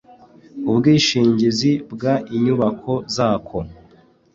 ubwishingizi bw inyubako zako